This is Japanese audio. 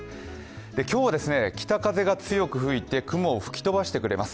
今日は北風が強く吹いて雲を吹き飛ばしてくれます。